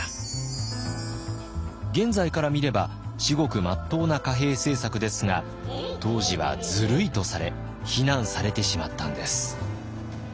現在から見れば至極まっとうな貨幣政策ですが当時はずるいとされ非難されてしまったんです。